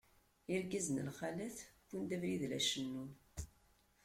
Irgazen lxalat, wwin-d abrid la cennun.